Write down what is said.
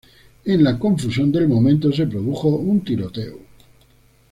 En la confusión del momento se produjo un tiroteo.